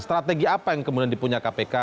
strategi apa yang kemudian dipunya kpk